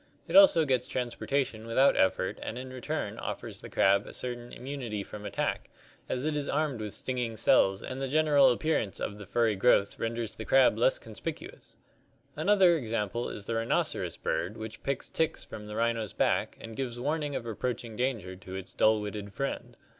It also gets transportation without effort and in return offers the crab a certain immunity from attack, as it is armed with stinging cells and the general appearance of the furry growth renders the crab less conspicuous (see Fig. 4). Another example is the rhinoceros bird which picks ticks from the rhino's back and gives warning of approaching danger to its dull witted friend.